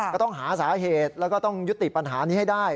ก็ต้องหาสาเหตุแล้วก็ต้องยุติปัญหานี้ให้ได้